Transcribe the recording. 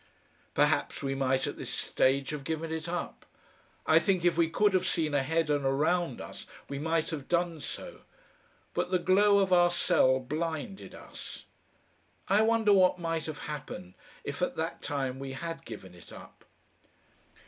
Perhaps we might at this stage have given it up. I think if we could have seen ahead and around us we might have done so. But the glow of our cell blinded us.... I wonder what might have happened if at that time we had given it up....